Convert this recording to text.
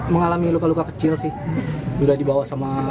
mengalami luka luka kecil sih sudah dibawa sama satu ratus delapan belas